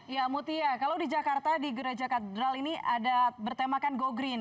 ya mutia kalau di jakarta di gereja katedral ini ada bertemakan go green